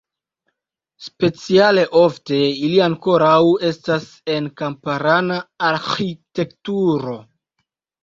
Speciale ofte ili ankoraŭ estas en kamparana arĥitekturo.